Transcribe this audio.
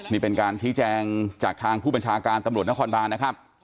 นี่เป็นการชี้แจงจากทางผู้บัญชาการตำรวจนครบานนะครับ